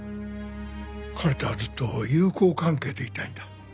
彼とはずっと友好関係でいたいんだ。